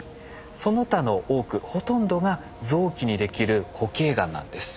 その他の多くほとんどが臓器にできる固形がんなんです。